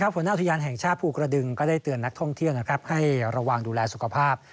หัวหน้าอุทยานแห่งชาติภูกระดึงก็ได้เตือนนักท่องเที่ยวให้ระวังดูแลสุขภาพ